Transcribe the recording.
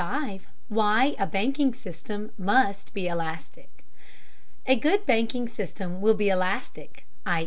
WHY A BANKING SYSTEM MUST BE ELASTIC. A good banking system will be elastic, _i.